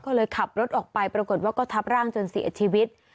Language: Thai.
ก็เลยขับรถออกไปปรากฏว่าก็ทับร่างจนเสียชีวิต